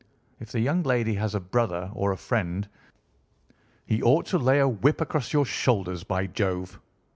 If the young lady has a brother or a friend, he ought to lay a whip across your shoulders. By Jove!"